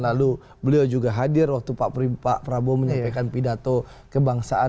lalu beliau juga hadir waktu pak prabowo menyampaikan pidato kebangsaan